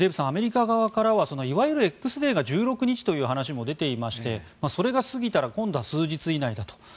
アメリカ側からはいわゆるＸデーが１６日という話も出ていましてそれが過ぎたら今度は数日以内だと。